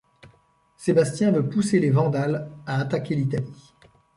Sébastien veut pousser les Vandales à attaquer l'Italie.